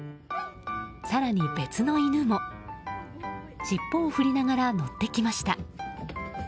更に、別の犬も尻尾を振りながら乗ってきました。